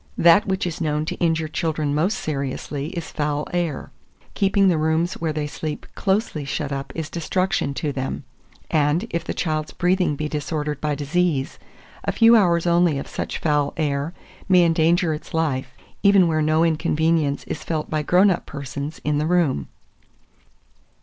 That which is known to injure children most seriously is foul air; keeping the rooms where they sleep closely shut up is destruction to them; and, if the child's breathing be disordered by disease, a few hours only of such foul air may endanger its life, even where no inconvenience is felt by grown up persons in the room."